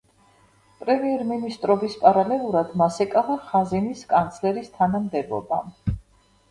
პრემიერ-მინისტრობის პარალელურად მას ეკავა ხაზინის კანცლერის თანამდებობა.